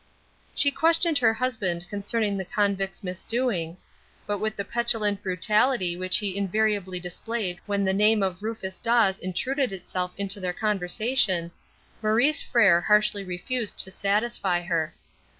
She questioned her husband concerning the convict's misdoings, but with the petulant brutality which he invariably displayed when the name of Rufus Dawes intruded itself into their conversation, Maurice Frere harshly refused to satisfy her.